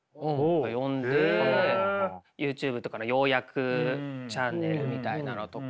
ＹｏｕＴｕｂｅとかの要約チャンネルみたいなのとか。